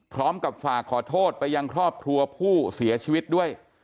พร้อมกับฝากขอโทษไปยังครอบครัวผู้เสียชีวิตด้วย